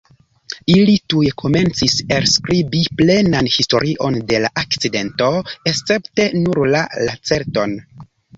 Ili tuj komencis elskribi plenan historion de la akcidento, escepte nur la Lacerton.